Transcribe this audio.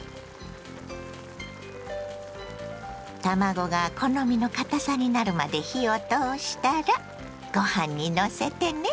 卵が好みの堅さになるまで火を通したらごはんにのせてね。